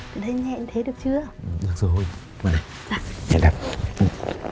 kim lại gọi em họ sang tâm sự